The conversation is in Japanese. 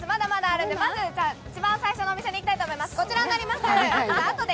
まず最初のお店に行きたいと思います。